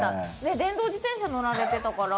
電動自転車に乗られてたから。